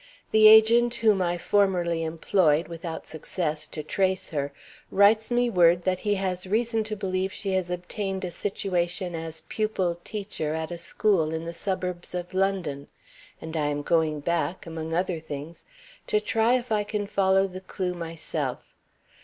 The agent whom I formerly employed (without success) to trace her, writes me word that he has reason to believe she has obtained a situation as pupil teacher at a school in the suburbs of London; and I am going back (among other things) to try if I can follow the clew myself.